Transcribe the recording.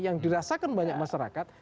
yang dirasakan banyak masyarakat